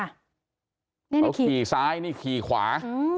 เขาขี่ซ้ายนี่ขี่ขวา